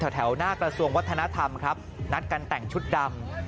แถวหน้ากระทรวงวัฒนธรรมครับนัดกันแต่งชุดดำ